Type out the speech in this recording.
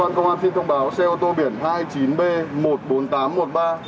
cơ quan công an xin thông báo xe ô tô biển hai mươi chín b một mươi bốn nghìn tám trăm một mươi ba